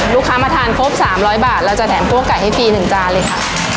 ลูกค้ามาทานครบสามร้อยบาทเราจะแถมพวกไก่ให้ฟรีหนึ่งจานเลยค่ะ